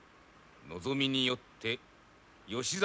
望みによって義実